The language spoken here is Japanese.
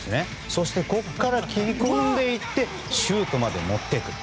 そしてここから切り込んでいってシュートまで持っていく。